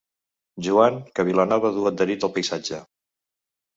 Joan que Vilanova du adherits al paisatge.